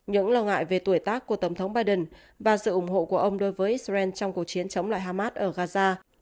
những lo ngại về tuổi tác của tổng thống biden và sự ủng hộ của ông đối với israel trong cuộc chiến chống lại hamas ở gaza